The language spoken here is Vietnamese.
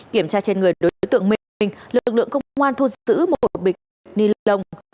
kiểm tra trên người đối tượng minh lực lượng công an thu giữ một bịch ni lông